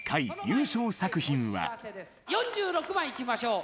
４６番いきましょう。